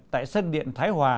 tại sân điện thái hòa